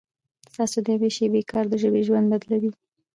ستاسو د یوې شېبې کار د ژبې ژوند بدلوي.